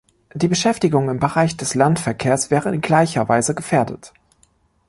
Die Beschäftigung im Bereich des Landverkehrs wäre in gleicher Weise gefährdet.